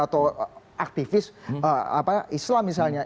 atau aktivis islam misalnya